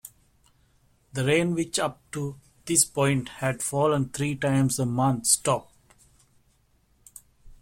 The rain which, up to this point, had fallen three times a month, stopped.